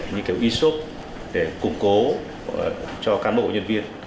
như cái e shop để củng cố cho cán bộ nhân viên